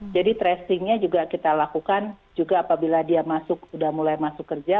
jadi tracingnya juga kita lakukan juga apabila dia masuk udah mulai masuk kerja